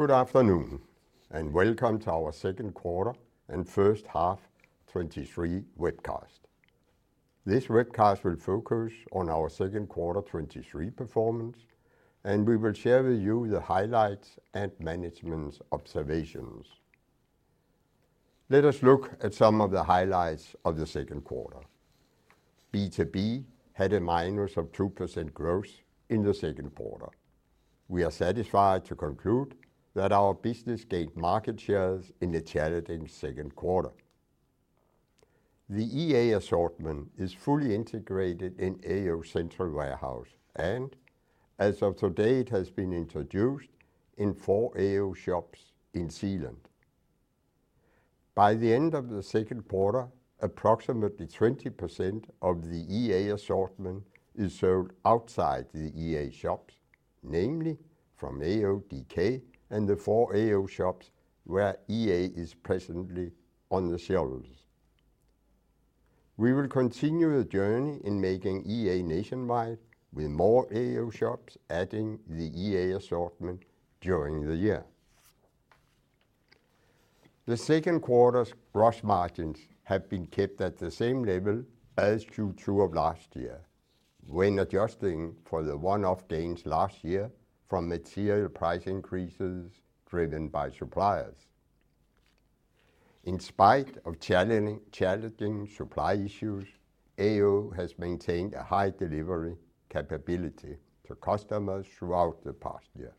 Good afternoon, and welcome to our second quarter and first half 2023 webcast. This webcast will focus on our second quarter 2023 performance, and we will share with you the highlights and management's observations. Let us look at some of the highlights of the second quarter. B2B had a minus of 2% growth in the second quarter. We are satisfied to conclude that our business gained market shares in a challenging second quarter. The EA assortment is fully integrated in AO central warehouse and, as of today, it has been introduced in four AO shops in Sjælland. By the end of the second quarter, approximately 20% of the EA assortment is sold outside the EA shops, namely from AO.dk and the four AO shops where EA is presently on the shelves. We will continue the journey in making EA nationwide, with more AO shops adding the EA assortment during the year. The second quarter's gross margins have been kept at the same level as Q2 of last year, when adjusting for the one-off gains last year from material price increases driven by suppliers. In spite of challenging supply issues, AO has maintained a high delivery capability to customers throughout the past year.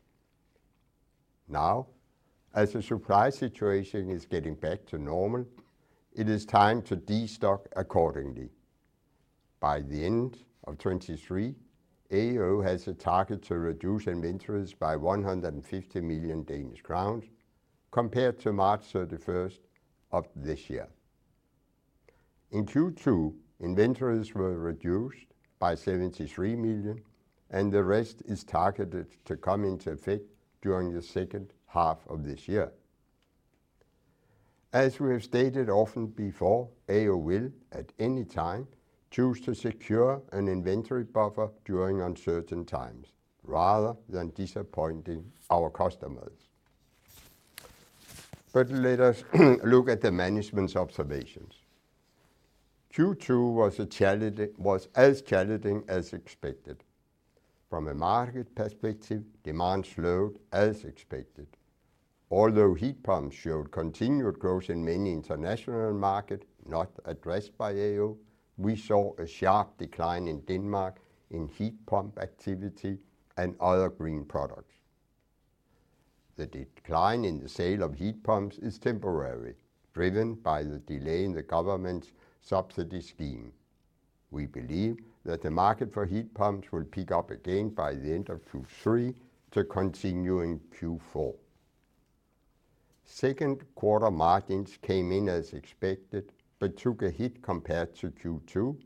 Now, as the supply situation is getting back to normal, it is time to destock accordingly. By the end of 2023, AO has a target to reduce inventories by 150 million Danish crowns, compared to March 31st of this year. In Q2, inventories were reduced by 73 million, and the rest is targeted to come into effect during the second half of this year. As we have stated often before, AO will, at any time, choose to secure an inventory buffer during uncertain times, rather than disappointing our customers. Let us look at the management's observations. Q2 was as challenging as expected. From a market perspective, demand slowed as expected. Although heat pumps showed continued growth in many international market not addressed by AO, we saw a sharp decline in Denmark in heat pump activity and other green products. The decline in the sale of heat pumps is temporary, driven by the delay in the government's subsidy scheme. We believe that the market for heat pumps will pick up again by the end of Q3 to continue in Q4. Second quarter margins came in as expected, but took a hit compared to Q2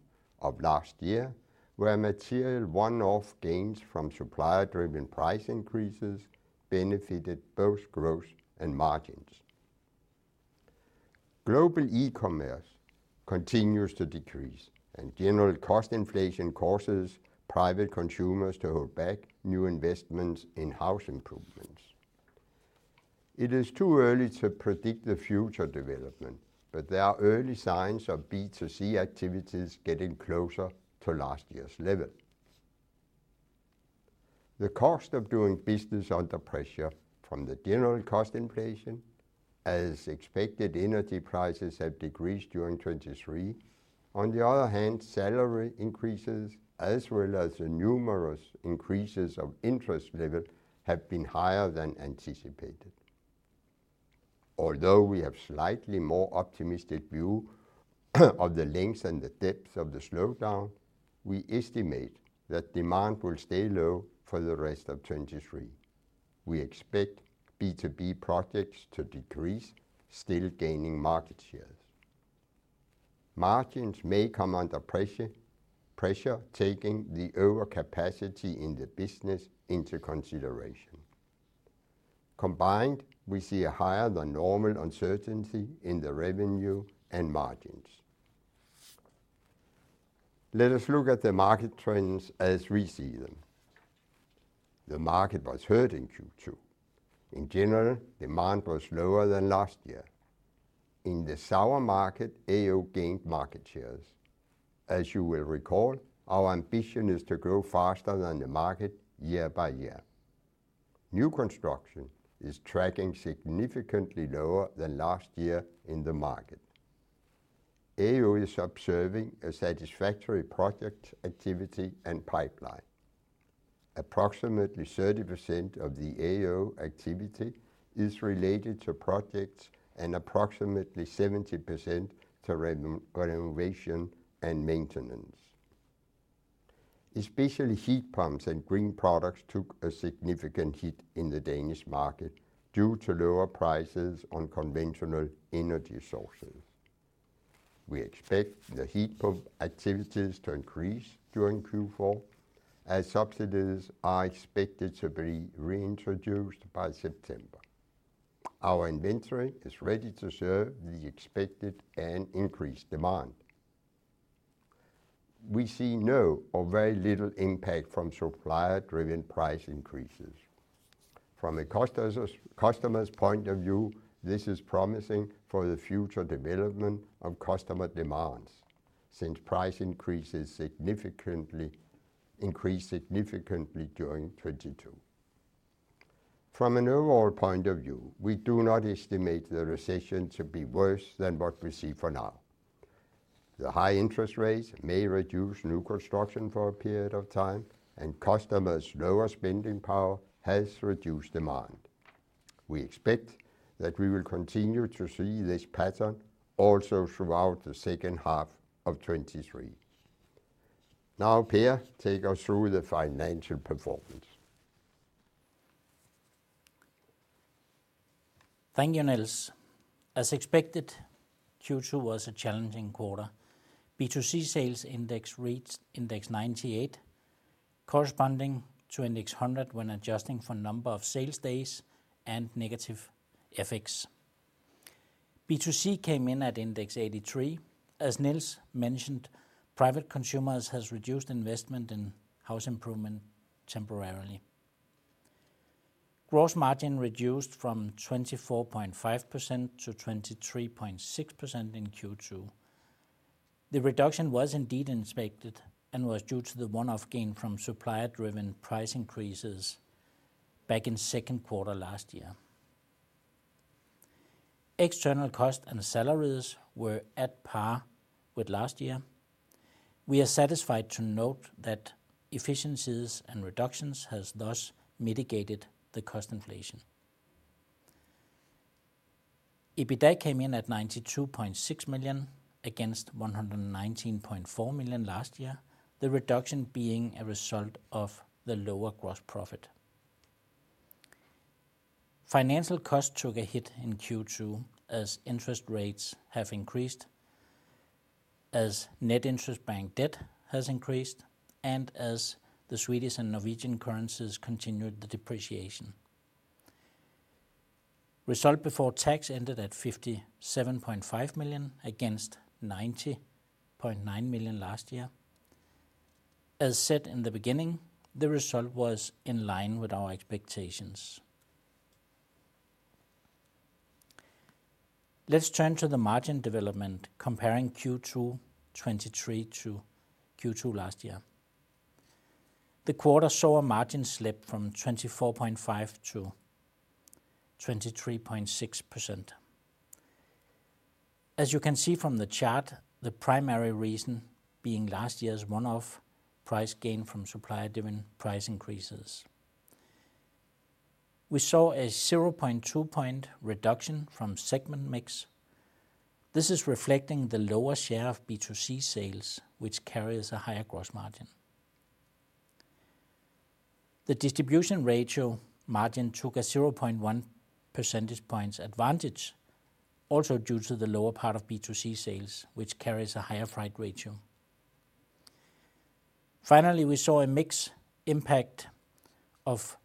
of last year, where material one-off gains from supplier-driven price increases benefited both growth and margins. Global e-commerce continues to decrease, and general cost inflation causes private consumers to hold back new investments in house improvements. It is too early to predict the future development, but there are early signs of B2C activities getting closer to last year's level. The cost of doing business under pressure from the general cost inflation, as expected, energy prices have decreased during 2023. On the other hand, salary increases, as well as the numerous increases of interest level, have been higher than anticipated. Although we have slightly more optimistic view of the length and the depth of the slowdown, we estimate that demand will stay low for the rest of 2023. We expect B2B projects to decrease, still gaining market shares. Margins may come under pressure, taking the overcapacity in the business into consideration. Combined, we see a higher-than-normal uncertainty in the revenue and margins. Let us look at the market trends as we see them. The market was hurt in Q2. In general, demand was lower than last year. In the sour market, AO gained market shares. As you will recall, our ambition is to grow faster than the market year-by-year. New construction is tracking significantly lower than last year in the market. AO is observing a satisfactory project activity and pipeline. Approximately 30% of the AO activity is related to projects and approximately 70% to renovation and maintenance. Especially heat pumps and green products took a significant hit in the Danish market due to lower prices on conventional energy sources. We expect the heat pump activities to increase during Q4, as subsidies are expected to be reintroduced by September. Our inventory is ready to serve the expected and increased demand. We see no or very little impact from supplier-driven price increases. From a customer's point of view, this is promising for the future development of customer demands, since price increased significantly during 2022. From an overall point of view, we do not estimate the recession to be worse than what we see for now. The high interest rates may reduce new construction for a period of time, and customers' lower spending power has reduced demand. We expect that we will continue to see this pattern also throughout the second half of 2023. Now, Per, take us through the financial performance. Thank you, Niels. As expected, Q2 was a challenging quarter. B2C sales index reached index 98, corresponding to index 100 when adjusting for number of sales days and negative effects. B2C came in at index 83. As Niels mentioned, private consumers has reduced investment in house improvement temporarily. Gross margin reduced from 24.5% to 23.6% in Q2. The reduction was indeed inspected and was due to the one-off gain from supplier-driven price increases back in second quarter last year. External cost and salaries were at par with last year. We are satisfied to note that efficiencies and reductions has thus mitigated the cost inflation. EBITDA came in at 92.6 million, against 119.4 million last year, the reduction being a result of the lower gross profit. Financial costs took a hit in Q2, as interest rates have increased, as net interest-bearing debt has increased, as the Swedish and Norwegian currencies continued the depreciation. Result before tax ended at 57.5 million, against 90.9 million last year. As said in the beginning, the result was in line with our expectations. Let's turn to the margin development, comparing Q2 2023 to Q2 last year. The quarter saw a margin slip from 24.5% to 23.6%. As you can see from the chart, the primary reason being last year's one-off price gain from supplier-driven price increases. We saw a 0.2-point reduction from segment mix. This is reflecting the lower share of B2C sales, which carries a higher gross margin. The distribution ratio margin took a 0.1 percentage points advantage, also due to the lower part of B2C sales, which carries a higher freight ratio. We saw a mix impact of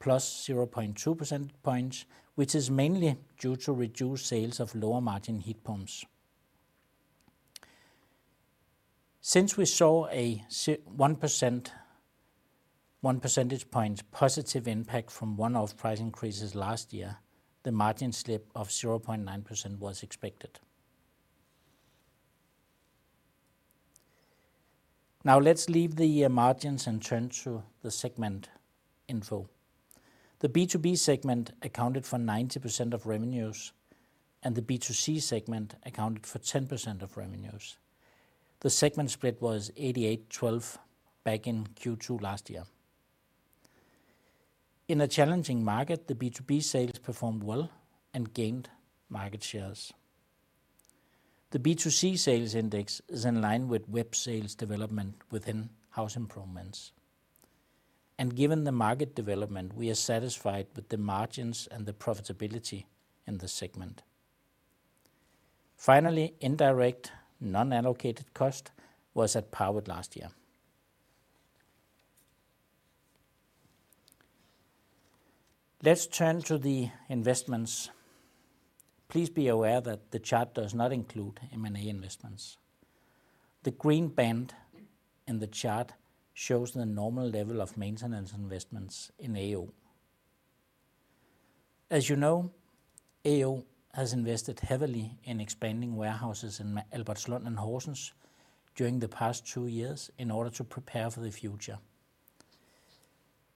+0.2 percent points, which is mainly due to reduced sales of lower-margin heat pumps. Since we saw a 1 percentage point positive impact from one-off price increases last year, the margin slip of 0.9% was expected. Let's leave the margins and turn to the segment info. The B2B segment accounted for 90% of revenues and the B2C segment accounted for 10% of revenues. The segment split was 88:12 back in Q2 last year. In a challenging market, the B2B sales performed well and gained market shares. The B2C sales index is in line with web sales development within house improvements. Given the market development, we are satisfied with the margins and the profitability in the segment. Finally, indirect, non-allocated cost was at par with last year. Let's turn to the investments. Please be aware that the chart does not include M&A investments. The green band in the chart shows the normal level of maintenance investments in AO. As you know, AO has invested heavily in expanding warehouses in Albertslund and Horsens during the past two years in order to prepare for the future.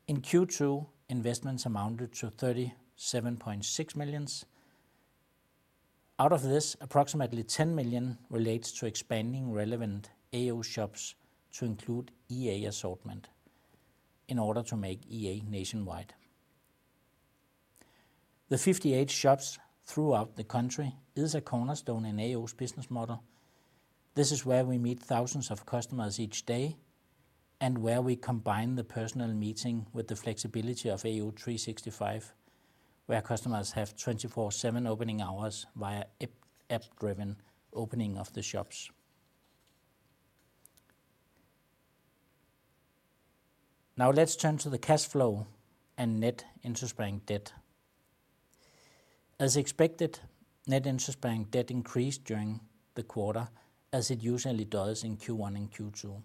In Q2, investments amounted to 37.6 million. Out of this, approximately 10 million relates to expanding relevant AO shops to include EA assortment in order to make EA nationwide. The 58 shops throughout the country is a cornerstone in AO's business model. This is where we meet thousands of customers each day, and where we combine the personal meeting with the flexibility of AO365, where customers have 24/7 opening hours via app-driven opening of the shops. Now let's turn to the cash flow and net interest-bearing debt. As expected, net interest-bearing debt increased during the quarter, as it usually does in Q1 and Q2.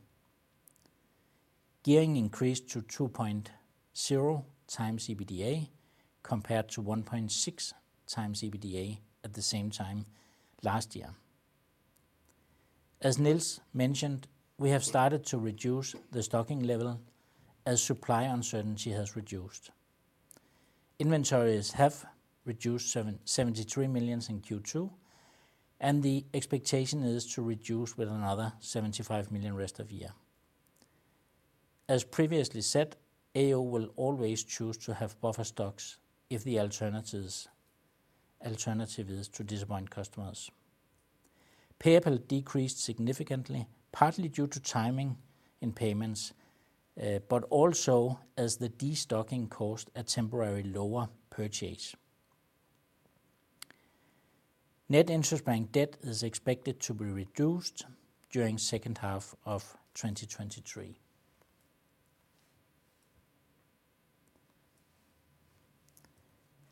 Gearing increased to 2.0x EBITDA, compared to 1.6x EBITDA at the same time last year. As Niels mentioned, we have started to reduce the stocking level as supply uncertainty has reduced. Inventories have reduced 73 million in Q2, and the expectation is to reduce with another 75 million rest of year. As previously said, AO will always choose to have buffer stocks if the alternatives, alternative is to disappoint customers. Payables decreased significantly, partly due to timing in payments, but also as the destocking caused a temporary lower purchase. Net interest-bearing debt is expected to be reduced during second half of 2023.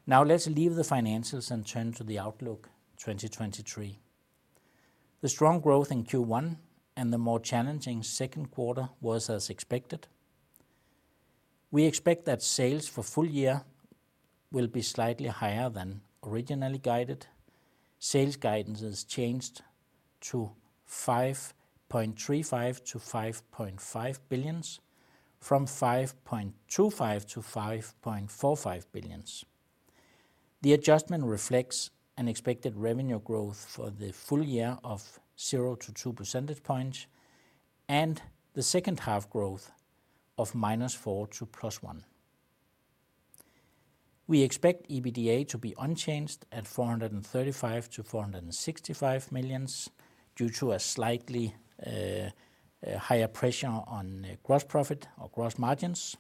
Now, let's leave the finances and turn to the outlook 2023. The strong growth in Q1 and the more challenging second quarter was as expected. We expect that sales for full year will be slightly higher than originally guided. Sales guidance is changed to 5.35 billion-5.5 billion, from 5.25 billion-5.45 billion. The adjustment reflects an expected revenue growth for the full year of 0-2 percentage points, and the second half growth of -4 to +1. We expect EBITDA to be unchanged at 435 million-465 million, due to a slightly higher pressure on gross profit or gross margins.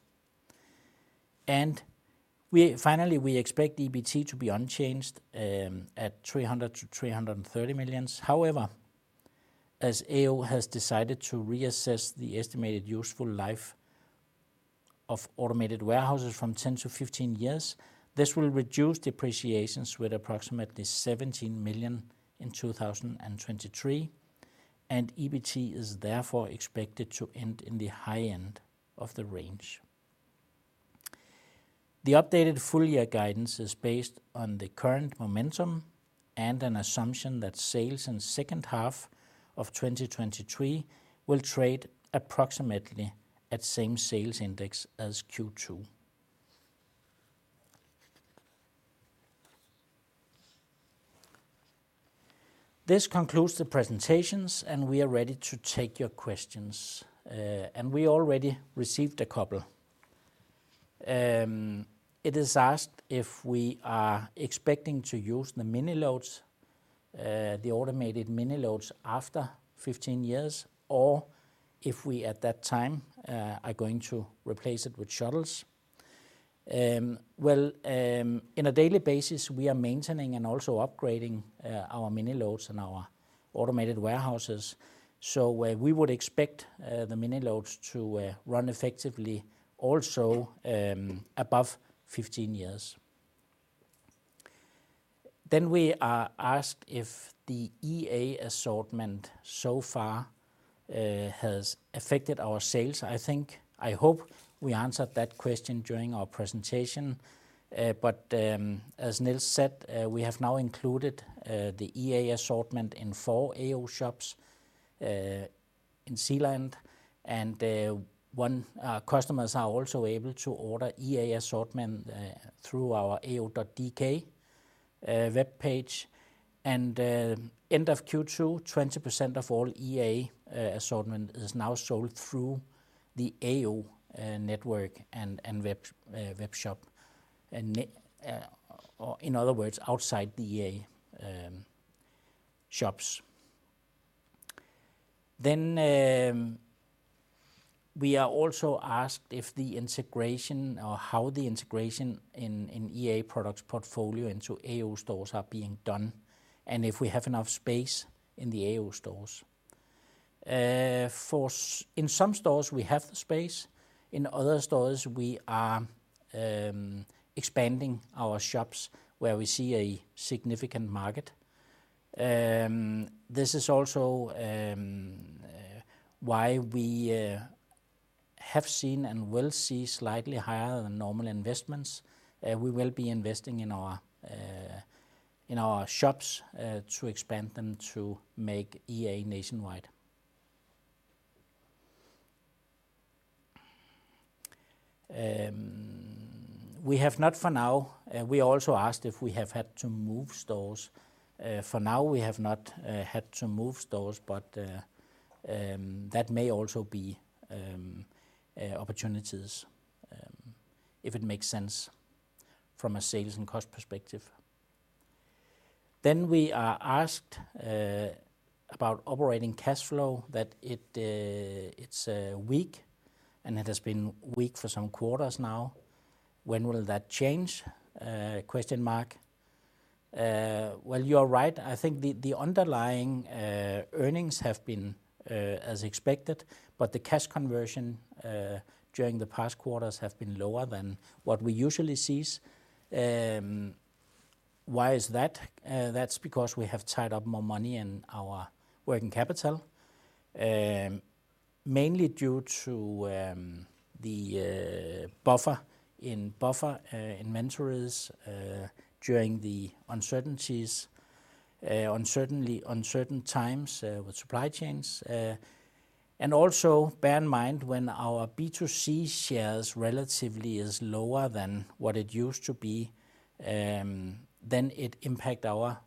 Finally, we expect EBT to be unchanged, at 300 million-330 million. However, as AO has decided to reassess the estimated useful life of automated warehouses from 10-15 years, this will reduce depreciations with approximately 17 million in 2023, and EBT is therefore expected to end in the high end of the range. The updated full year guidance is based on the current momentum and an assumption that sales in second half of 2023 will trade approximately at same sales index as Q2. This concludes the presentations, and we are ready to take your questions. We already received a couple. It is asked "if we are expecting to use the mini-loads, the automated mini-loads after 15 years, or if we, at that time, are going to replace it with shuttles". Well, in a daily basis, we are maintaining and also upgrading our mini-loads and our automated warehouses. We would expect the mini-loads to run effectively also above 15 years. Then, we are asked "if the EA assortment so far has affected our sales". I think, I hope we answered that question during our presentation but then, as Niels said, we have now included the EA assortment in four AO shops in Sjælland, and customers are also able to order EA assortment through our ao.dk webpage. End of Q2, 20% of all EA assortment is now sold through the AO network and web shop or in other words, outside the EA shops. We are also asked if "how the integration in EA products portfolio into AO stores are being done, and if we have enough space in the AO stores?". In some stores, we have the space. In other stores, we are expanding our shops where we see a significant market. This is also why we have seen and will see slightly higher than normal investments. We will be investing in our in our shops to expand them to make EA nationwide. We have not for now. We also asked if we have had to move stores. For now, we have not had to move stores, but that may also be opportunities if it makes sense from a sales and cost perspective. We are asked about operating cash flow, that it's weak, and it has been weak for some quarters now. "When will that change?" Well, you are right. I think the, the underlying earnings have been as expected, but the cash conversion during the past quarters have been lower than what we usually see. Why is that? That's because we have tied up more money in our net working capital, mainly due to the in-buffer inventories during the uncertainties, uncertain times with supply chains. And also bear in mind, when our B2C shares relatively is lower than what it used to be, then it impacts our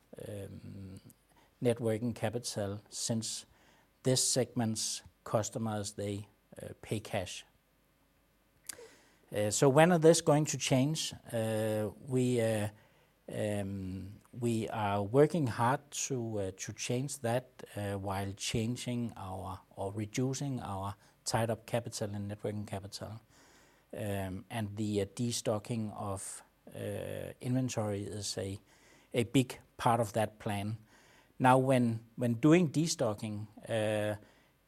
net working capital, since this segment's customers they pay cash. "When are these going to change?" We are working hard to change that while changing our or reducing our tied-up capital and net working capital and the destocking of inventory is a big part of that plan. Now, when doing destocking,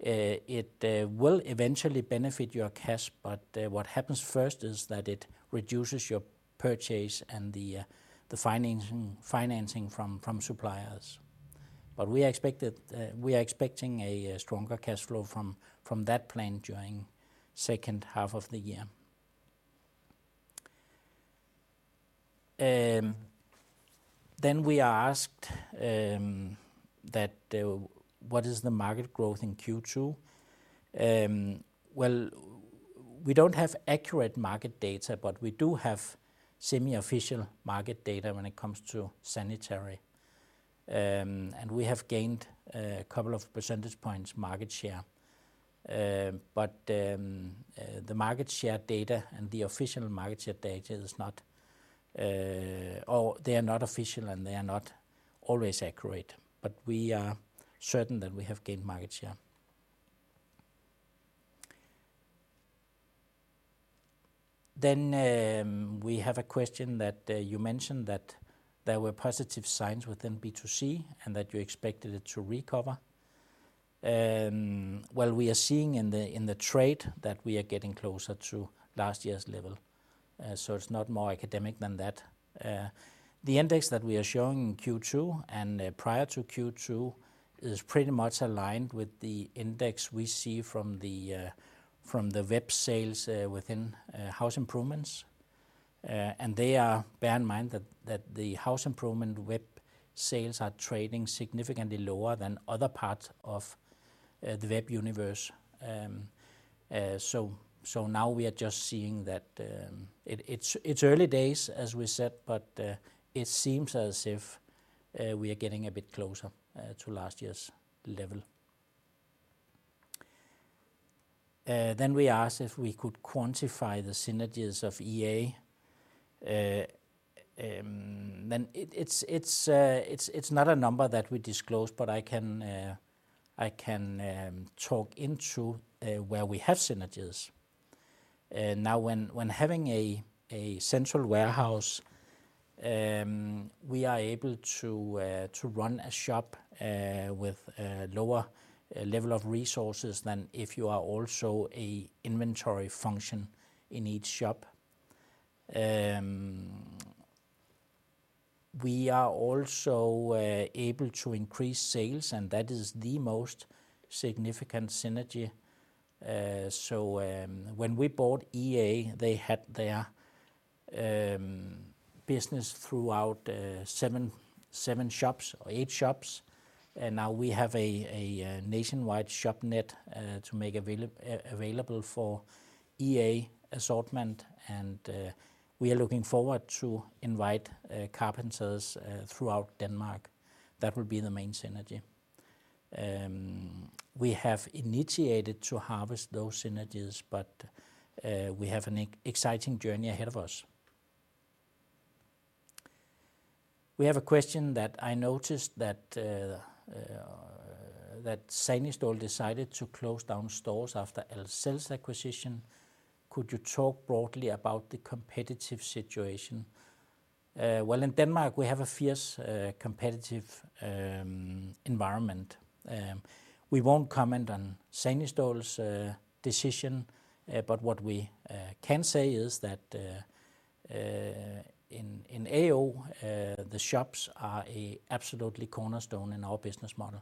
it will eventually benefit your cash, but what happens first is that it reduces your purchase and the financing from suppliers. But we are expecting stronger cash flow from that plan during second half of the year. We are asked, "What is the market growth in Q2?" Well, we don't have accurate market data, but we do have semi-official market data when it comes to sanitary. We have gained a couple of percentage points market share. The market share data and the official market share data they are not official, and they are not always accurate, but we are certain that we have gained market share. We have a question that, "You mentioned that there were positive signs within B2C and that you expected it to recover." Well, we are seeing in the trade that we are getting closer to last year's level, so it's not more academic than that. The index that we are showing in Q2 and prior to Q2 is pretty much aligned with the index we see from the web sales within house improvements. They are, bear in mind, that the house improvement web sales are trading significantly lower than other parts of the web universe. Now we are just seeing that it's early days, as we said, but it seems as if we are getting a bit closer to last year's level. We asked if "We could quantify the synergies of EA?" It's not a number that we disclose, but I can talk into where we have synergies. Now, when having a central warehouse, we are able to run a shop with a lower level of resources than if you are also an inventory function in each shop, we are also able to increase sales. That is the most significant synergy. When we bought EA, they had their business throughout seven or eight shops. Now we have a nationwide shop net to make available for EA assortment. We are looking forward to invite carpenters throughout Denmark. That will be the main synergy. We have initiated to harvest those synergies. We have an exciting journey ahead of us. We have a question that, "I noticed that Sanistål decided to close down stores after Ahlsell acquisition. Could you talk broadly about the competitive situation?" Well, in Denmark, we have a fierce, competitive environment. We won't comment on Sanistål's decision, but what we can say is that in AO, the shops are absolutely cornerstone in our business model.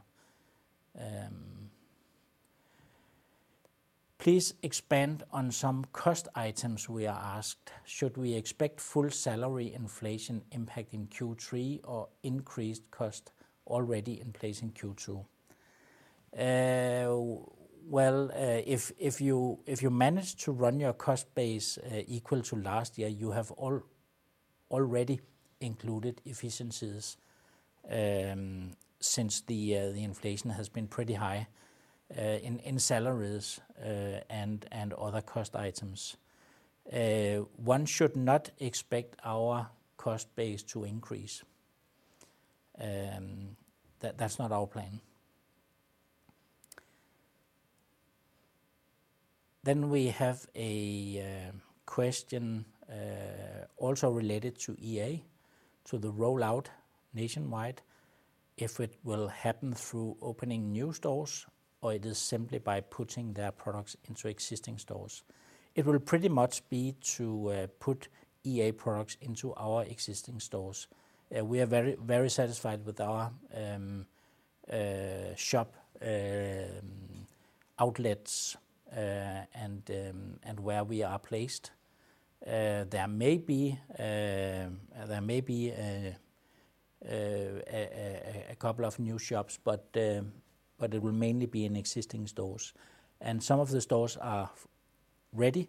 "Please expand on some cost items", we are asked. "Should we expect full salary inflation impact in Q3 or increased cost already in place in Q2?" Well, if you manage to run your cost base equal to last year, you have already included efficiencies, since the inflation has been pretty high in salaries and other cost items. One should not expect our cost base to increase. That's not our plan. We have a question also related to EA, to the rollout nationwide, "If it will happen through opening new stores or it is simply by putting their products into existing stores?" It will pretty much be to put EA products into our existing stores. We are very, very satisfied with our shop outlets and where we are placed. There may be a couple of new shops, but it will mainly be in existing stores. Some of the stores are ready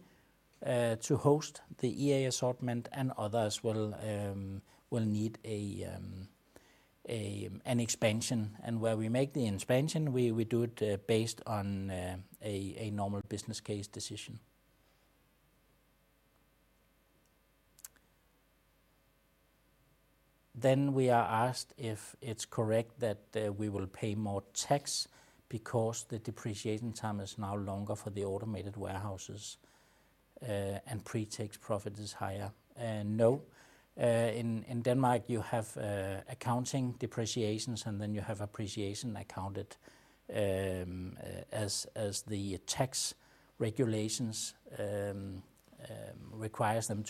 to host the EA assortment and others will need an expansion. Where we make the expansion, we do it based on a normal business case decision. We are asked if "it's correct that we will pay more tax because the depreciation time is now longer for the automated warehouses and pre-tax profit is higher." No. In Denmark, you have accounting depreciations, and then you have appreciation accounted as the tax regulations requires them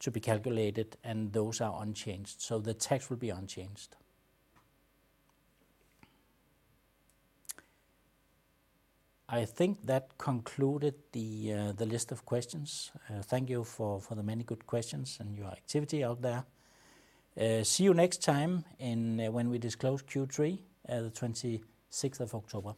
to be calculated, and those are unchanged. The tax will be unchanged. I think that concluded the list of questions. Thank you for, for the many good questions and your activity out there. See you next time in when we disclose Q3, the 26th of October.